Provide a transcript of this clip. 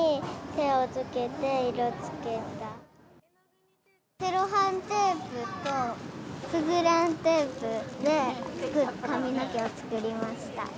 セロハンテープとスズランテープで髪の毛を作りました。